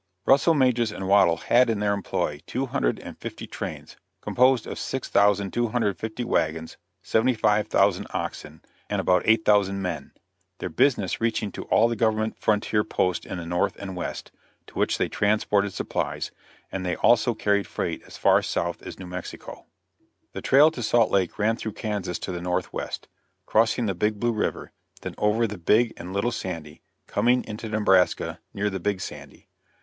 Russell, Majors & Waddell had in their employ two hundred and fifty trains, composed of 6,250 wagons, 75,000 oxen, and about eight thousand men; their business reaching to all the government frontier posts in the north and west, to which they transported supplies, and they also carried freight as far south as New Mexico. [Illustration: A PRAIRIE SCHOONER.] The trail to Salt Lake ran through Kansas to the northwest, crossing the Big Blue river, then over the Big and Little Sandy, coming into Nebraska near the Big Sandy.